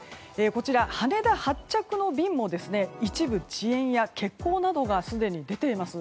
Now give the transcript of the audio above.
こちら、羽田発着の便も一部遅延や欠航などがすでに出ています。